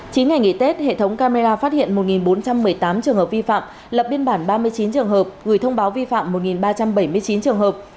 chín ngày nghỉ tết hệ thống camera phát hiện một bốn trăm một mươi tám trường hợp vi phạm lập biên bản ba mươi chín trường hợp gửi thông báo vi phạm một ba trăm bảy mươi chín trường hợp